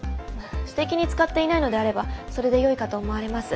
私的に使っていないのであればそれでよいかと思われます。